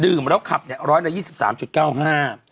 ขับเนี่ยร้อยละยี่สิบสามจุดเก้าห้า